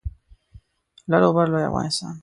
لر او بر لوی افغانستان